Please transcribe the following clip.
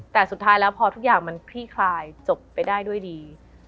แต่สุดท้ายแล้วพอทุกอย่างมันคลี่คลายจบไปได้ด้วยดี